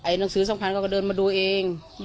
หนังสือสำคัญเขาก็เดินมาดูเอง